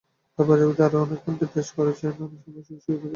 তাঁর প্রজাতির আরও অনেকের কণ্ঠের তেজ কমেছে নানা সুযোগ সুবিধা পেয়ে।